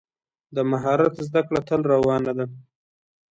د مهارت زده کړه تل روانه ده.